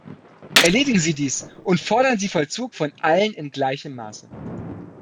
Erledigen Sie dies, und fordern Sie Vollzug von allen in gleichem Maße.